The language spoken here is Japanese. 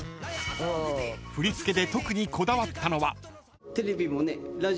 ［振り付けで特にこだわったのは］